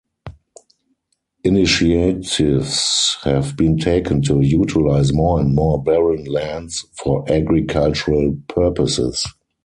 Initiatives have been taken to utilise more and more barren lands for agricultural purposes.